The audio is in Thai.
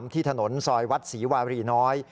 ที่ถนนซอยวัดศรีวารีน้อย